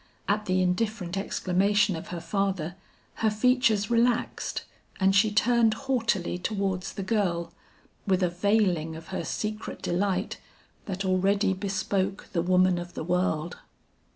At the indifferent exclamation of her father, her features relaxed, and she turned haughtily towards the girl, with a veiling of her secret delight that already bespoke the woman of the world.